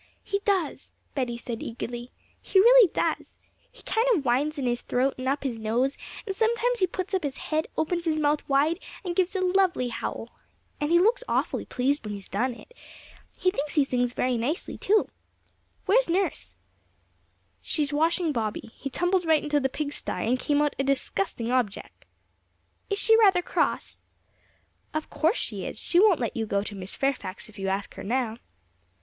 'He does,' Betty said eagerly; 'he really does. He kind of whines in his throat and up his nose, and sometimes he puts up his head, opens his mouth wide, and gives a lovely howl! And he looks awfully pleased when he's done it; he thinks he sings very nicely. Where's nurse?' 'She's washing Bobby; he tumbled right into the pig stye, and came out a disgusting objec'!' 'Is she rather cross?' 'Of course she is; she won't let you go to Miss Fairfax if you ask her now.'